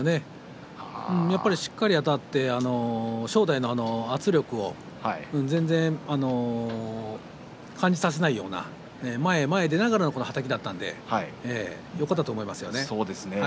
しっかりあたって正代の圧力を全然感じさせないような前に前に出ながらのはたきだったのでよかったと思います。